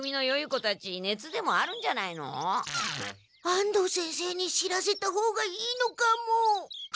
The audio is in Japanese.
安藤先生に知らせた方がいいのかも。